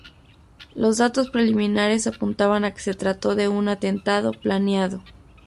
Los datos preliminares apuntaban a que se trató de un atentado planeado.